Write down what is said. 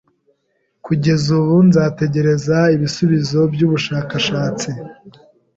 Kugeza ubu, nzategereza ibisubizo byubushakashatsi.